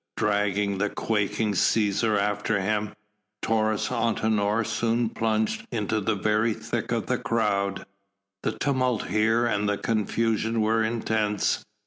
Dragging the quaking Cæsar after him, Taurus Antinor soon plunged into the very thick of the crowd. The tumult here and the confusion were intense.